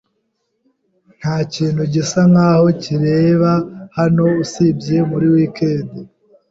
Ntakintu gisa nkaho kibera hano usibye muri wikendi.